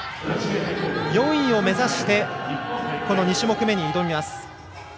４位を目指して２種目めに挑みます。